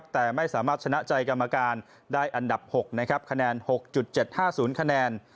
แต่ไม่สามารถชนะใจกรรมการได้อันดับ๖นะครับคะแนน๖๗๕๐คะแนน